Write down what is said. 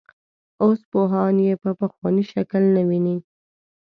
اوس پوهان یې په پخواني شکل نه ویني.